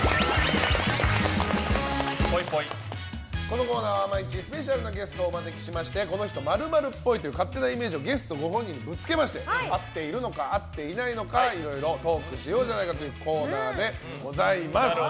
このコーナーは毎日スペシャルなゲストをお招きしましてこの人○○っぽいという勝手なイメージをゲストご本人にぶつけまして合っているのか、いないのかいろいろトークしようじゃないかというコーナーでございます。